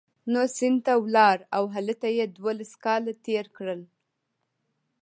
نو سند ته ولاړ او هلته یې دوولس کاله تېر کړل.